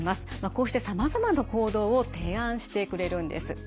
こうしてさまざまな行動を提案してくれるんです。